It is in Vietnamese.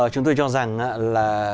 chúng tôi cho rằng là